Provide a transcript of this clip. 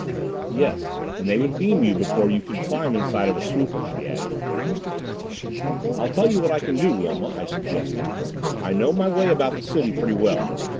"Yes, and they would beam you before you could climb inside of a swooper," she added. "I'll tell you what I can do, Wilma," I suggested. "I know my way about the city pretty well.